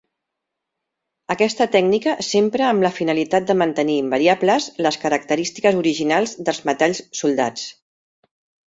Aquesta tècnica s'empra amb la finalitat de mantenir invariables les característiques originals dels metalls soldats.